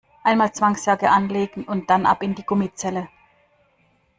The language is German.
Einmal Zwangsjacke anlegen und dann ab in die Gummizelle!